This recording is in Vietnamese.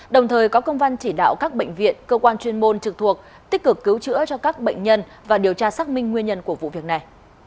đồng thời có công văn chỉ đạo các bệnh viện cơ quan chuyên môn trực thuộc tích cực cứu chữa cho các bệnh nhân và điều tra xác minh nguyên nhân của vụ việc này